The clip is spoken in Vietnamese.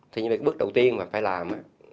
thế nhưng mà bước đầu tiên mà phải làm